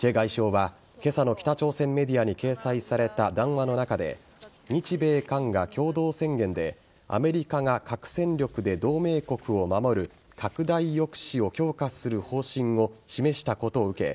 チェ外相は今朝の北朝鮮メディアに掲載された談話の中で日米韓が共同宣言でアメリカが核戦力で同盟国を守る拡大抑止を強化する方針を示したことを受け